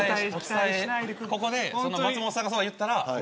ここで松本さんがそう言ったら。